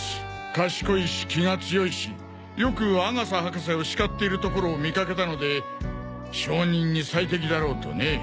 賢いし気が強いしよく阿笠博士を叱っている所を見かけたので証人に最適だろうとね。